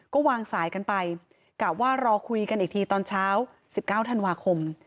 ก็วางสายกันไปกะว่ารอคุยกันอีกทีตอนเช้า๑๙ธันวาคม